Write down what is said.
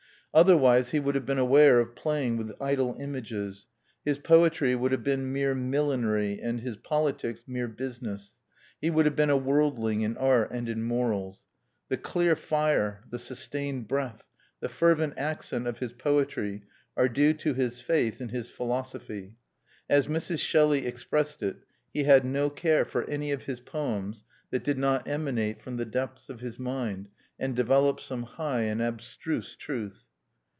Otherwise he would have been aware of playing with idle images; his poetry would have been mere millinery and his politics mere business; he would have been a worldling in art and in morals. The clear fire, the sustained breath, the fervent accent of his poetry are due to his faith in his philosophy. As Mrs. Shelley expressed it, he "had no care for any of his poems that did not emanate from the depths of his mind, and develop some high and abstruse truth."